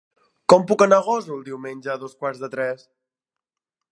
Com puc anar a Gósol diumenge a dos quarts de tres?